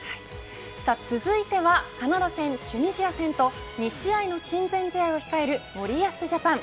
続いてはカナダ戦チュニジア戦と２試合の親善試合を控える森保ジャパン。